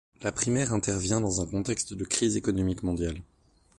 La primaire intervient dans un contexte de crise économique mondiale.